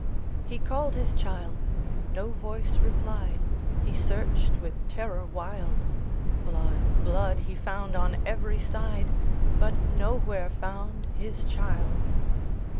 He called his child,—no voice replied,—He searched with terror wild; Blood, blood, he found on every side, But nowhere found his child.